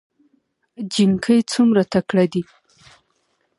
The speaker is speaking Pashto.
جينکۍ څومره تکړه دي